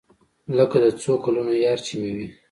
لکه د څو کلونو يار چې مې وي.